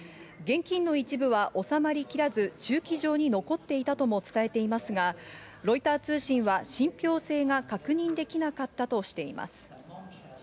現金の一部は収まりきらず、駐機場に残っていたとも伝えていますが、ロイター通信は信ぴょう性が確認できなかったとしています。